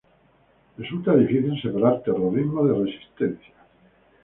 Resulta difícil separar "terrorismo" de "resistencia".